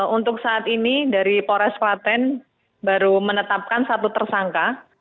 untuk saat ini dari polres klaten baru menetapkan satu tersangka